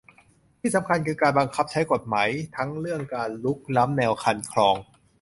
ที่สำคัญคือการบังคับใช้กฎหมายทั้งเรื่องการรุกล้ำแนวคันคลอง